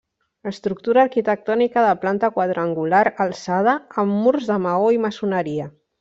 Estructura arquitectònica de planta quadrangular alçada amb murs de maó i maçoneria.